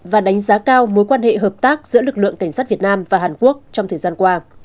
và đánh giá cao mối quan hệ hợp tác giữa lực lượng cảnh sát việt nam và hàn quốc trong thời gian qua